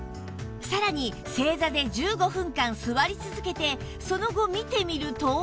さらに正座で１５分間座り続けてその後見てみると